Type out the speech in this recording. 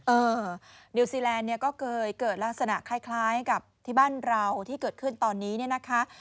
เออนิวซีแลนด์เนี่ยก็เคยเกิดลักษณะคล้ายกับที่บ้านเราที่เกิดขึ้นตอนนี้เนี่ยนะคะ